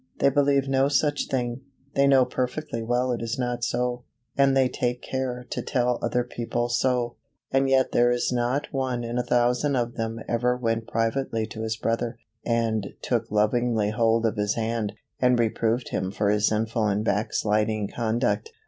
They believe no such thing; they know perfectly well it is not so, and they take care to tell other people so; and yet there is not one in a thousand of them ever went privately to his brother, and took lovingly hold of his hand, and reproved him for his sinful and backsliding conduct.